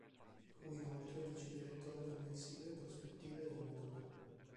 Fu inoltre vicedirettore del mensile "Prospettive nel mondo".